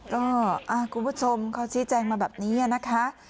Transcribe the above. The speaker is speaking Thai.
ก็คุณผู้ชมเขาชี้แจงมาแบบนี้นะคะ